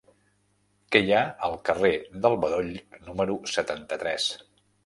Què hi ha al carrer del Bedoll número setanta-tres?